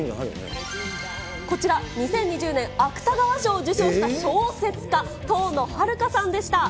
こちら、２０２０年、芥川賞を受賞した小説家、遠野遥さんでした。